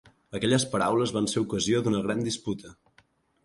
Aquelles paraules van ser ocasió d'una gran disputa.